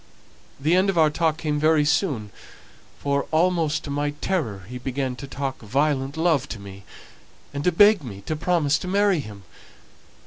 The end of our talk came very soon; for, almost to my terror, he began to talk violent love to me, and to beg me to promise to marry him.